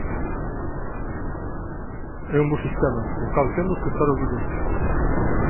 É un bo sistema, co cal temos que estar orgullosos.